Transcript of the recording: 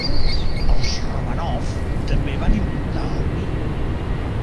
Els Romànov també van importar el vi.